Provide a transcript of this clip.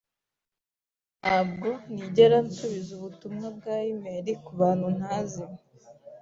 Ntabwo nigera nsubiza ubutumwa bwa imeri kubantu ntazi.